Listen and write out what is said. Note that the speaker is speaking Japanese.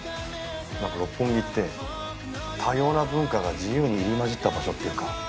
なんか六本木って多様な文化が自由に入り交じった場所っていうか。